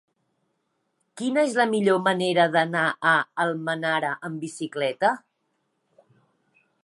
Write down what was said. Quina és la millor manera d'anar a Almenara amb bicicleta?